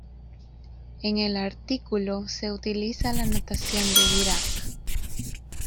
En el artículo se utiliza la notación de Dirac.